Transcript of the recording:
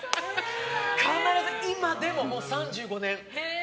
必ず今でも３５年。